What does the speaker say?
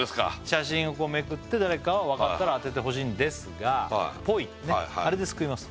写真をこうめくって誰かわかったら当ててほしいんですがポイねっあれですくいます